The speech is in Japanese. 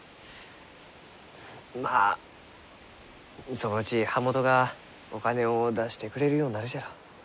まあそのうち版元がお金を出してくれるようになるじゃろう。